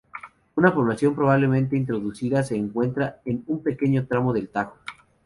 Una población, probablemente introducida, se encuentra en un pequeño tramo del Tajo.